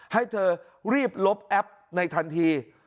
ให้เธอรีบลบแอปในทันที